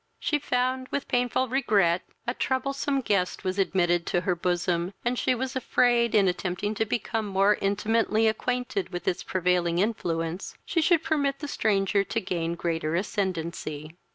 She found, with painful regret, a troublesome guest was admitted to her bosom, and she was afraid, in attempting to become more intimately acquainted with its prevailing influence, she should permit the stranger to gain greater ascendancy.